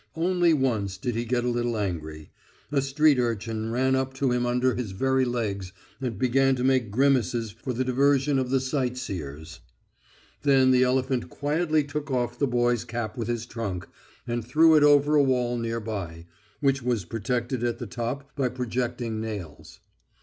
Only once did he get a little angry. A street urchin ran up to him under his very legs, and began to make grimaces for the diversion of the sight seers. Then the elephant quietly took off the boy's cap with his trunk and threw it over a wall near by, which was protected at the top by projecting nails.